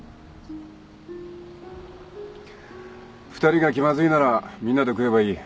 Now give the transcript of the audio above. ２人が気まずいならみんなで食えばいい。